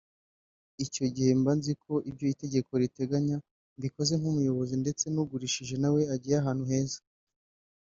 Icyo gihe mba nziko ibyo itegeko riteganya mbikoze nk’umuyobozi ndetse n’ugurishije na we agiye ahantu heza